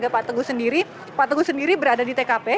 pak teguh sendiri berada di tkp